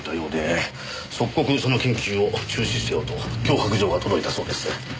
即刻その研究を中止せよと脅迫状が届いたそうです。